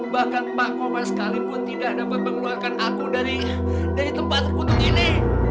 bahkan pak komar sekalipun tidak dapat mengeluarkan aku dari tempatku ini